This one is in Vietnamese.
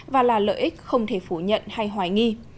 và là lợi ích không thể phủ nhận hay hoài nghi